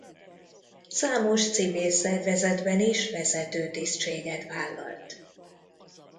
Számos civil szervezetben is vezető tisztséget vállalt.